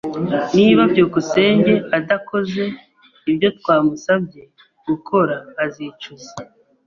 Niba byukusenge adakoze ibyo twamusabye gukora, azicuza.